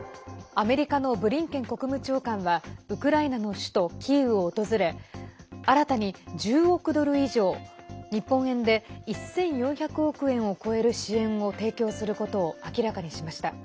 アメリカのブリンケン国務長官はウクライナの首都キーウを訪れ新たに１０億ドル以上日本円で１４００億円を超える支援を提供することを明らかにしました。